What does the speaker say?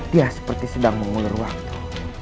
dia seperti sedang mengulur waktu